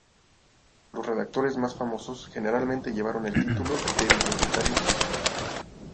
Los redactores más famosos generalmente llevaron el título de bibliotecario principal.